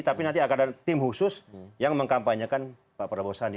tapi nanti akan ada tim khusus yang mengkampanyekan pak prabowo sandi